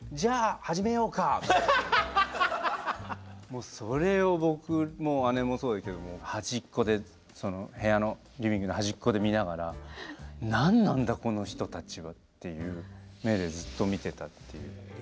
もうそれを僕も姉もそうですけどはじっこで部屋のリビングのはじっこで見ながら「何なんだこの人たちは」っていう目でずっと見てたっていう。